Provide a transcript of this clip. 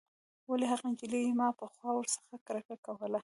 ولې هغه نجلۍ چې ما پخوا ورڅخه کرکه کوله.